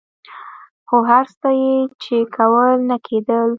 خو هر څه یې چې کول نه کېدل.